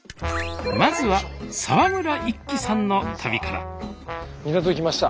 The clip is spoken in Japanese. まずは沢村一樹さんの旅から港に来ました。